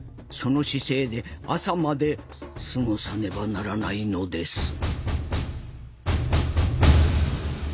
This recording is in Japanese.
その姿勢で朝まで過ごさねばならないのです。